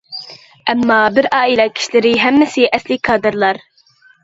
ئەمما بىر ئائىلە كىشىلىرى ھەممىسى ئەسلى كادىرلار.